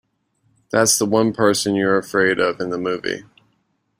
That's the one person you're afraid of in the movie.